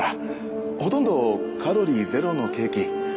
ほとんどカロリーゼロのケーキ。